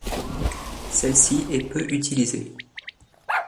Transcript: Celle-ci est peu utilisée.